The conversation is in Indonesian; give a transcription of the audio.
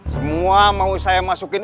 semua mau saya masukin